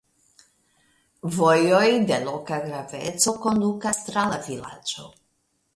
Vojoj de loka graveco kondukas tra la vilaĝo.